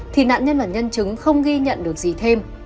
thì nạn nhân và nhân chứng không ghi nhận được gì thêm